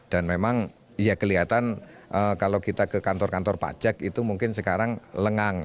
dan memang ya kelihatan kalau kita ke kantor kantor pajak itu mungkin sekarang lengang